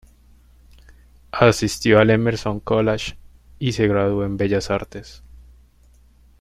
Asistió al Emerson College y se graduó en Bellas Artes.